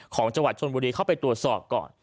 ของจังหวัดชนบุรีเข้าไปตรวจสอบก่อน